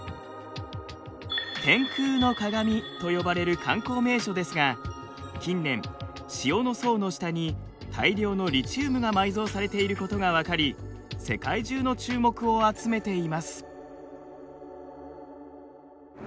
天空の鏡と呼ばれる観光名所ですが近年塩の層の下に大量のリチウムが埋蔵されていることが分かり世界中の注目を集めています。